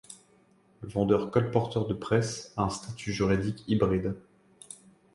Le vendeur colporteur de presse a un statut juridique hybride.